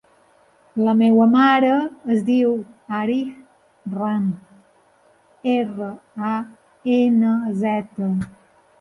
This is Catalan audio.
La meva mare es diu Arij Ranz: erra, a, ena, zeta.